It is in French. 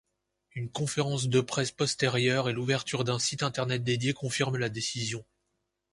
Une conférence de presse postérieure et l'ouverture d'un site Internet dédié confirment la décision.